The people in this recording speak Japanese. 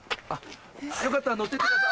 よかったら乗ってってください。